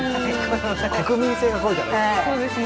国民性がこうじゃないですか。